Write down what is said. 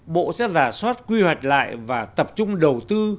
bộ sẽ giả soát quy hoạch lại và tập trung đầu tư